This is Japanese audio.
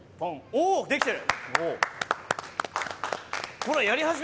おおできてる！